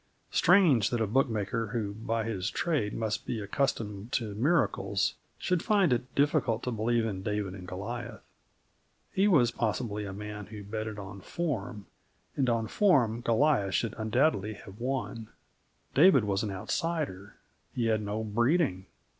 Strange that a bookmaker, who by his trade must be accustomed to miracles, should find it difficult to believe in David and Goliath. He was possibly a man who betted on form, and on form Goliath should undoubtedly have won. David was an outsider. He had no breeding.